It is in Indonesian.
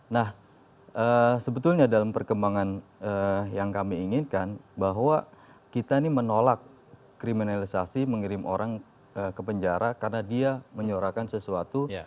nah sebetulnya dalam perkembangan yang kami inginkan bahwa kita ini menolak kriminalisasi mengirim orang ke penjara karena dia menyorakan sesuatu